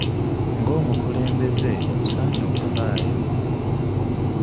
Ng'omukulembeze osaanye okufaayo.